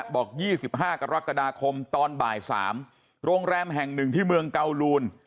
บอก๒๕กรกฎาคมตอนบ่าย๓โรงแรมแห่งหนึ่งที่เมืองเกาลูน